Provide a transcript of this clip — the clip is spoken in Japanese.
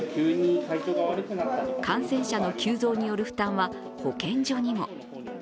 感染者の急増による負担は保健所にも。